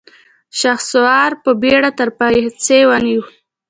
شهسوار په بېړه تر پايڅې ونيو.